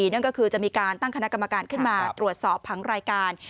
นั่นก็คือจะมีการตั้งคณะกรรมการขึ้นมาตรวจสอบผังรายการ